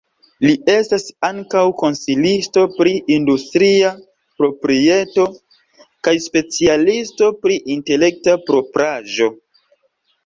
Li estas ankaŭ konsilisto pri industria proprieto, kaj specialisto pri Intelekta propraĵo.